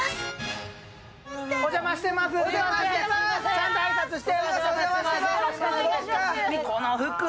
ちゃんと挨拶して。